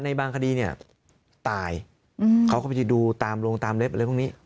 บางคดีเนี่ยตายเขาก็ไม่ได้ดูตามลงตามเล็บอะไรพวกนี้